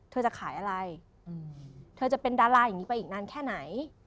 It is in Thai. เธอจะขายอะไรเธอจะเป็นดาราอย่างนี้ไปอีกนานแค่ไหน